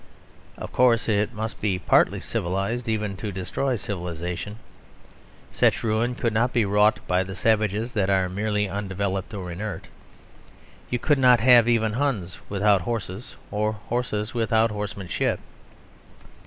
Of course it must be partly civilised even to destroy civilisation. Such ruin could not be wrought by the savages that are merely undeveloped or inert. You could not have even Huns without horses; or horses without horsemanship.